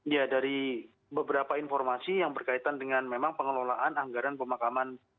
ya dari beberapa informasi yang berkaitan dengan memang pengelolaan anggaran pemakaman